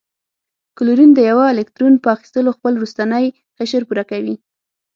کلورین د یوه الکترون په اخیستلو خپل وروستنی قشر پوره کوي.